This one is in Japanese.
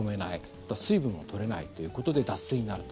あと水分が取れないということで脱水になると。